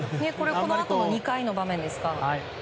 このあとの２回の場面ですか。